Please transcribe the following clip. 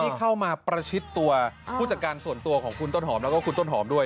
เข้ามาประชิดตัวผู้จัดการส่วนตัวของคุณต้นหอมแล้วก็คุณต้นหอมด้วย